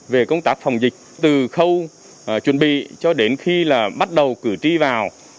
về công tác phòng dịch từ khâu chuẩn bị cho đến khi là bắt đầu cử tri vào